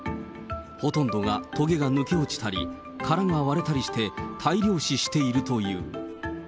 ほとんどがとげが抜け落ちたり、殻が割れたりして、大量死しているという。